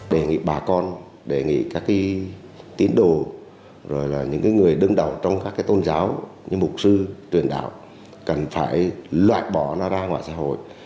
đề nghị bà con đề nghị các tín đồ những người đứng đầu trong các tôn giáo như mục sư truyền đạo cần phải loạn bỏ ra ngoài xã hội